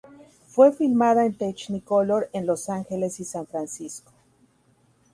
Fue filmada en Technicolor en Los Angeles y San Francisco.